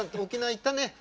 行ったね。